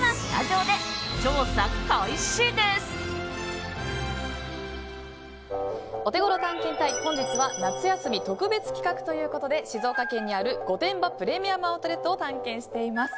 オテゴロ探検隊、本日は夏休み特別企画ということで静岡県にある御殿場プレミアム・アウトレットを探検しています。